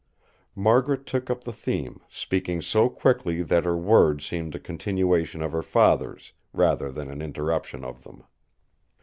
Margaret took up the theme, speaking so quickly that her words seemed a continuation of her father's, rather than an interruption of them.